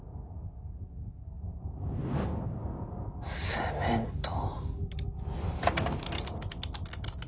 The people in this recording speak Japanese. セメント。